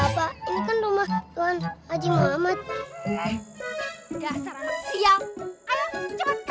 sudah terima kasih